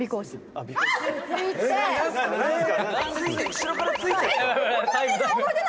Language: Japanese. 「後ろからついてきた？」